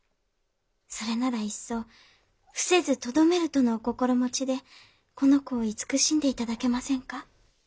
それならいっそ「伏せず留める」とのお心持ちでこの子を慈しんで頂けませんか？